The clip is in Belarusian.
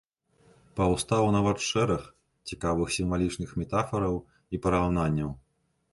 Паўстаў нават шэраг цікавых сімвалічных метафараў і параўнанняў.